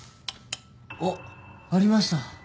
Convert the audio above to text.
あっありました。